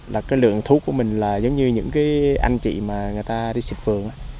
là cái lượng thuốc của mình là giống như những anh chị mà người ta đi xịt vườn